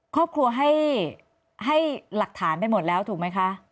ครอบครัวให้หลักฐานไปหมดแล้วถูกไหมคะ